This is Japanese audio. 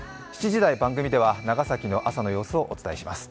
７時台、番組では長崎の朝の様子をお伝えします。